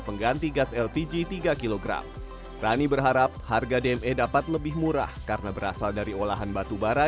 pengganti gas lpg tiga kg rani berharap harga dme dapat lebih murah karena berasal dari olahan batubara